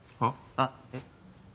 あっえっ？